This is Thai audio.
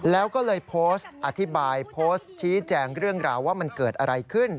แล้วก็เลยโพสต์อธิบายโพสต์ชี้แจงเรื่องราวว่ามันเกิดอะไรขึ้น